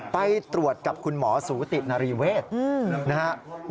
ไปตรวจกับคุณหมอสูตินารีเวศนะครับ